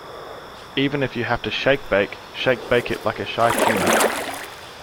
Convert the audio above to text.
Even if you have to shake-bake shake-bake it like a Shy Tuna.